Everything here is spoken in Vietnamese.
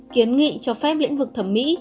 kiến nghị cho phép lĩnh vực thẩm mỹ